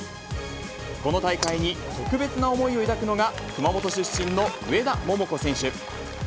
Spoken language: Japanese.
この大会に特別な思いを抱くのが、熊本出身の上田桃子選手。